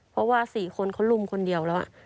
เพราะว่า๔คนเขาลุมคนเดียวแล้ว